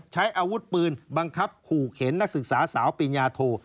ใช้อาวุธปืนบังคับขู่เข็นนักศึกษาสาวปิญญาโท